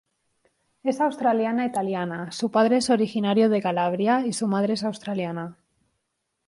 Es australiana italiana, su padre es originario de Calabria y su madre es australiana.